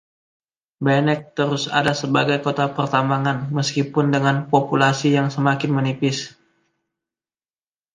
Bannack terus ada sebagai kota pertambangan, meskipun dengan populasi yang semakin menipis.